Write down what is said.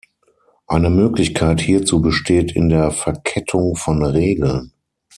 Eine Möglichkeit hierzu besteht in der Verkettung von Regeln.